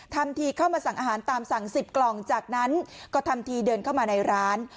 ทำทีเข้ามาสั่งอาหารตามสั่ง๑๐กล่องจากนั้นก็ทำทีเดินเข้ามาในร้าน